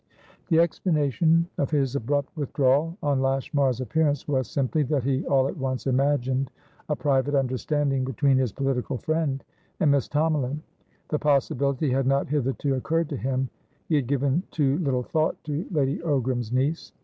The explanation of his abrupt withdrawal on Lashmar's appearance was, simply, that he all at once imagined a private understanding between his political friend and Miss Tomalin. The possibility had not hitherto occurred to him: he had given too little thought to Lady Ogram's niece.